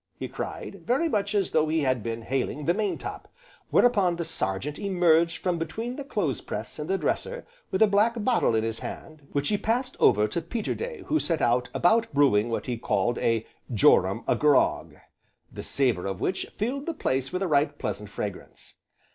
he cried, very much as though he had been hailing the "main top," whereupon the Sergeant emerged from between the clothes press and the dresser with a black bottle in his hand, which he passed over to Peterday who set about brewing what he called a "jorum o' grog," the savour of which filled the place with a right pleasant fragrance.